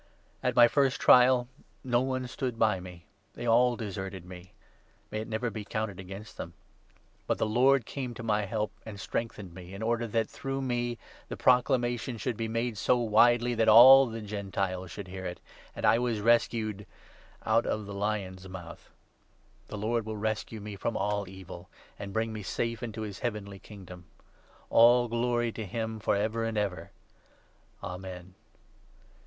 At my first trial 16 no one stood by me. They all deserted me. May it never be counted against them ! But the Lord came to my help and 17 strengthened me, in order that, through me, the proclamation should be made so widely that all the Gentiles should hear it ; and I was rescued 'out of the Lion's mouth.' The Lord will 18 rescue me from all evil, and bring me safe into his Heavenly Kingdom. All glory to him for ever and ever ! Amen.